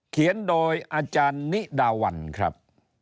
เขียนโดยอนิดาวัลครับ